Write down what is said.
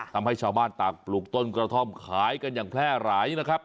ทำให้ชาวบ้านต่างปลูกต้นกระท่อมขายกันอย่างแพร่หลายนะครับ